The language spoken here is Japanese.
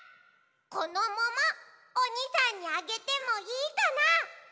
このももおにさんにあげてもいいかな？